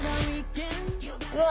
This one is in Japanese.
うわ！